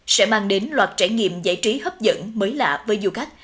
sẽ mang đến loạt trải nghiệm giải trí hấp dẫn mới lạ với du khách